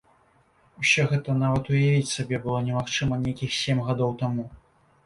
Усё гэта нават уявіць сабе было немагчыма нейкіх сем гадоў таму.